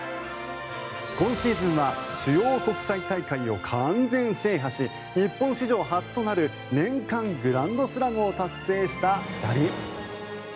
今シーズンは主要国際大会を完全制覇し日本史上初となる年間グランドスラムを達成した２人。